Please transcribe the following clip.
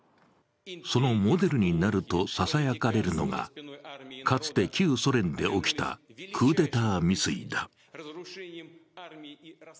そのモデルになるとささやかれるのがかつて旧ソ連で起きたクーデター未遂だ。